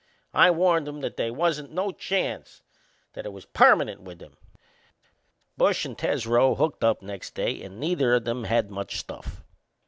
I warned 'em that they wasn't no chance that it was permanent with him. Bush and Tesreau hooked up next day and neither o' them had much stuff.